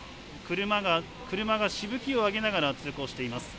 車がしぶきを上げながら通行しています。